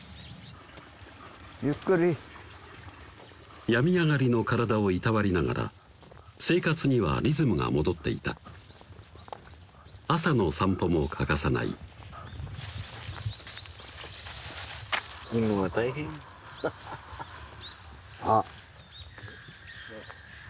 ゆっくり病み上がりの体をいたわりながら生活にはリズムが戻っていた朝の散歩も欠かさないあっ・